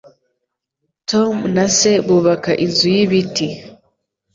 Tom na se bubaka inzu y'ibiti.